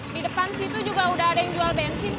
di depan situ juga udah ada yang jual bensin